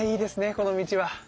この道は。